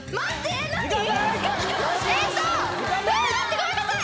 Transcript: えとわあ待ってごめんなさい！